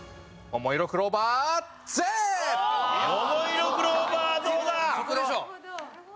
ももいろクローバーどうだ？